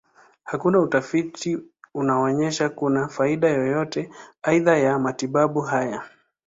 Hakuna utafiti unaonyesha kuna faida yoyote aidha ya matibabu haya.